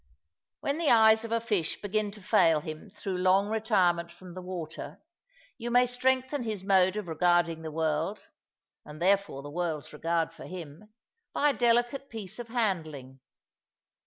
When the eyes of a fish begin to fail him through long retirement from the water, you may strengthen his mode of regarding the world (and therefore the world's regard for him) by a delicate piece of handling.